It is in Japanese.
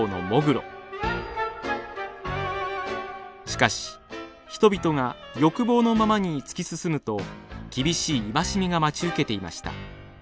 しかし人々が欲望のままに突き進むと厳しい戒めが待ち受けていました。